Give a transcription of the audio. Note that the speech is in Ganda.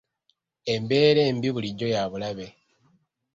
Embeera embi bulijjo ya bulabe.